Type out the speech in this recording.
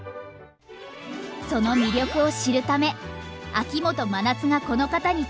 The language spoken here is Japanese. その魅力を知るため秋元真夏がこの方に突撃取材！